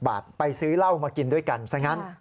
บาทไปซื้อเหล้ามากินด้วยกันซะงั้น